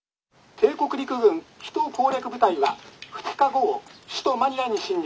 「帝国陸軍比島攻略部隊は２日午後首都マニラに侵入